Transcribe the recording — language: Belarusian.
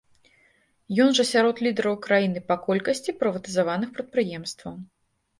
Ён жа сярод лідараў краіны па колькасці прыватызаваных прадпрыемстваў.